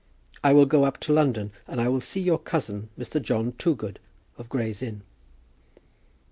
I will go up to London, and I will see your cousin, Mr. John Toogood, of Gray's Inn."